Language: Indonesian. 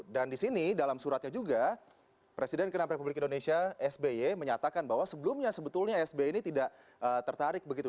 dan di sini dalam suratnya juga presiden ke enam republik indonesia sbi menyatakan bahwa sebelumnya sebetulnya sbi ini tidak tertarik begitu